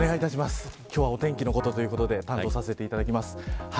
今日はお天気のことで担当させていただきます。